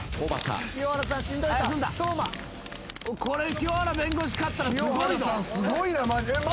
清原弁護士勝ったらすごいぞ。